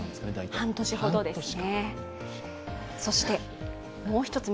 半年ほどですね。